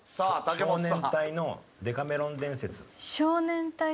少年隊さんの『デカメロン伝説』。